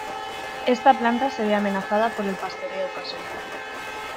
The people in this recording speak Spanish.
Esta planta se ve amenazada por el pastoreo ocasional.